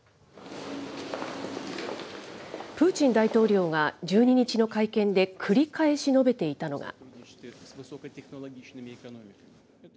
プーチン大統領が、１２日の会見で繰り返し述べていたのが。